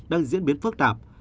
đang diễn biến phức tạp